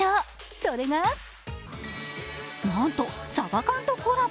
それがなんとさば缶とコラボ。